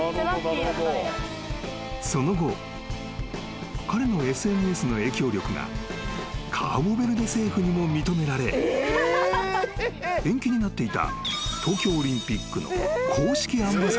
［その後彼のＳＮＳの影響力がカーボベルデ政府にも認められ延期になっていた］